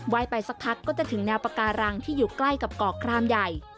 ไปสักพักก็จะถึงแนวปาการังที่อยู่ใกล้กับเกาะครามใหญ่